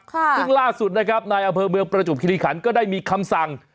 ซึ่งล่าสุดนะครับนายอำเภอเมืองประจบคิริขันก็ได้มีคำสั่ง